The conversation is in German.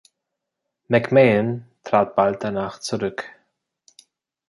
McMahon trat bald danach zurück.